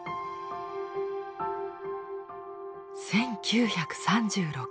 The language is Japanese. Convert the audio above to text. １９３６年。